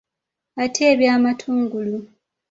Ate eby’amatungulu?